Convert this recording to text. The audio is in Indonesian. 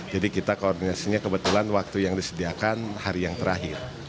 jadi kita koordinasinya kebetulan waktu yang disediakan hari yang terakhir